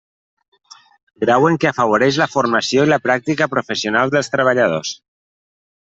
Grau en què afavoreix la formació i la pràctica professional dels treballadors.